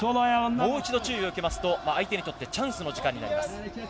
もう一度、注意を受けますと相手にとってチャンスの時間。